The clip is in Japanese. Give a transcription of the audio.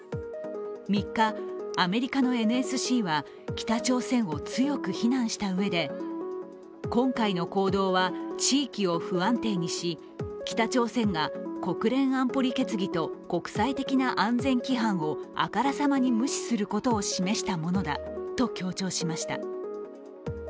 ３日、アメリカのＮＳＣは北朝鮮を強く非難したうえで今回の行動は地域を不安定にし、北朝鮮が国連安保理決議と国際的な安全規範をあからさまに無視することを示したものだと強調しました。